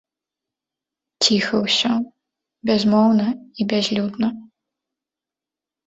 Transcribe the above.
Ціха ўсё, бязмоўна і бязлюдна.